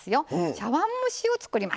茶わん蒸しを作ります。